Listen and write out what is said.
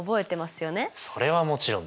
それはもちろんです。